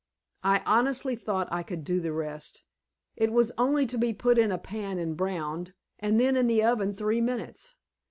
I honestly thought I could do the rest. It was only to be put in a pan and browned, and then in the oven three minutes.